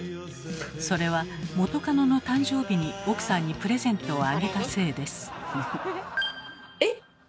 それは元カノの誕生日に奥さんにプレゼントをあげたせいです。